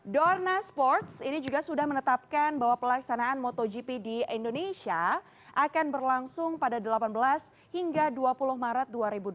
dorna sports ini juga sudah menetapkan bahwa pelaksanaan motogp di indonesia akan berlangsung pada delapan belas hingga dua puluh maret dua ribu dua puluh